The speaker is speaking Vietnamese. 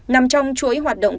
nằm trong chuỗi hoạt động